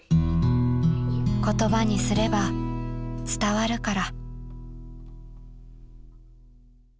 ［言葉にすれば伝わるから］